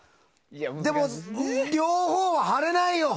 でも両方は張れないよ。